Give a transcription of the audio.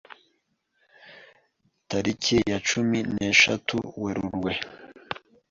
tariki ya cumi neshatu Werurwe